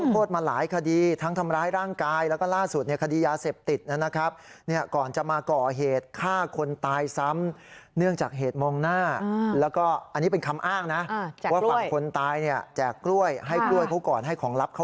โปรดติดตามตอนต่อไป